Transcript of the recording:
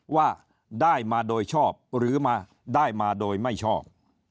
ว่าได้มาโดยชอบหรือมาได้มาโดยไม่ชอบ